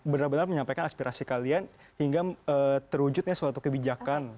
benar benar menyampaikan aspirasi kalian hingga terwujudnya suatu kebijakan